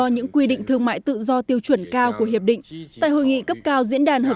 những thông tin quốc tế đáng chịu ý sẽ có ngay sau đây